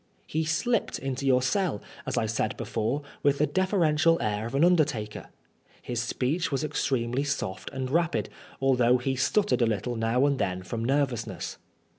He slipped into your cell, as I said before, with the deferential air of an undertaker. His speech was extremely soft, and rapid, although he stuttered a little now and then from nervousness.